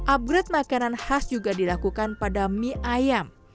upgrade makanan khas juga dilakukan pada mie ayam